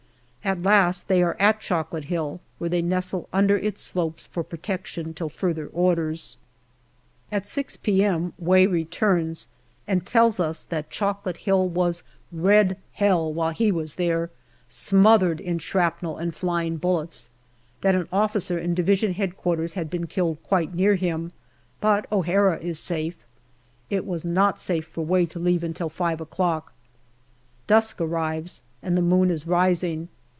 At last they are at Chocolate Hill, where they nestle under its slopes for protection till further orders. At 6 p.m. Way returns, and tells us that Chocolate Hill was " Red Hell " while he was there, smothered in shrapnel and flying bullets ; that an officer in D.H.Q. has been killed quite near him, but O'Hara is safe. It was not safe for Way to leave until five o'clock. Dusk arrives, and the moon is rising.